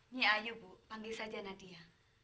nek ayu bu panggil saja nadia